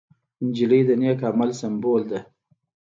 نجلۍ د نېک عمل سمبول ده.